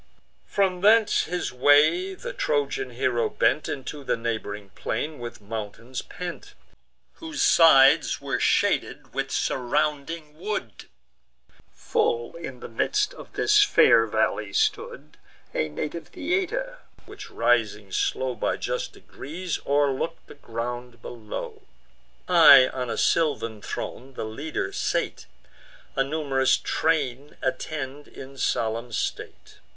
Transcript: From thence his way the Trojan hero bent Into the neighb'ring plain, with mountains pent, Whose sides were shaded with surrounding wood. Full in the midst of this fair valley stood A native theatre, which, rising slow By just degrees, o'erlook'd the ground below. High on a sylvan throne the leader sate; A num'rous train attend in solemn state.